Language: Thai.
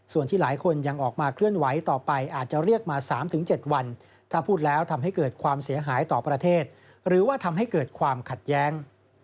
ส่วนที่หลายคนยังออกมาเคลื่อนไหวต่อไปอาจจะเรียกมา๓๗วันถ้าพูดแล้วทำให้เกิดความเสียหายต่อประเทศหรือว่าทำให้เกิดความขัดแย้ง